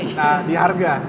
nah di harga